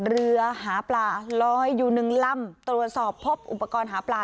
เรือหาปลาลอยอยู่หนึ่งลำตรวจสอบพบอุปกรณ์หาปลา